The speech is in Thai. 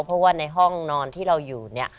เพราะว่าในห้องนอนที่เราอยู่เนี่ย